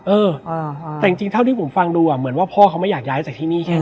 เออแต่จริงเท่าที่ผมฟังดูอ่ะเหมือนว่าพ่อเขาไม่อยากย้ายจากที่นี่แค่นั้น